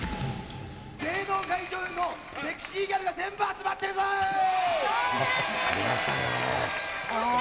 芸能界中のセクシーギャルが全部集まってるぞーい！